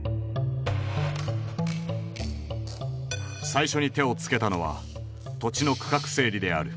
最初に手を付けたのは土地の区画整理である。